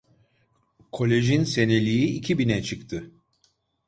Kolejin seneliği iki bine çıktı…